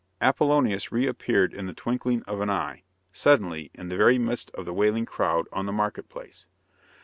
Apollonius reappeared in the twinkling of an eye, suddenly, in the very midst of the wailing crowd, on the market place.